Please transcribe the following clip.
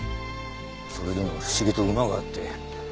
それでも不思議と馬が合って。